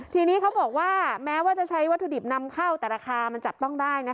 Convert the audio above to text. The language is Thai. ทีนี้เขาบอกว่าแม้ว่าจะใช้วัตถุดิบนำเข้าแต่ราคามันจับต้องได้